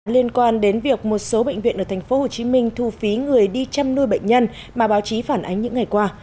liên quan đến việc một số bệnh viện ở tp hcm thu phí người đi chăm nuôi bệnh nhân mà báo chí phản ánh những ngày qua